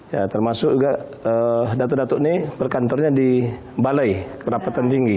ya termasuk juga datuk datuk ini berkantornya di balai kerapatan tinggi